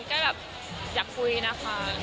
ก็แบบอยากคุยนะคะ